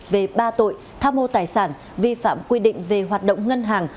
về ba tội tham mô tài sản vi phạm quy định về hoạt động ngân hàng